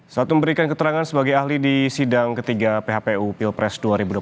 saat memberikan keterangan sebagai ahli di sidang ketiga phpu pilpres dua ribu dua puluh empat